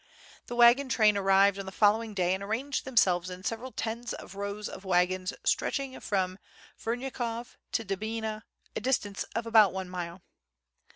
The wagon train arrived on the following day and arranged themselves in several tens of rows of wagons stretching from Vernyakov to Denbina a distance of about one mile.